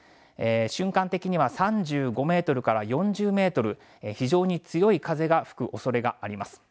瞬間的には３５メートルから４０メートル、非常に強い風が吹くおそれがあります。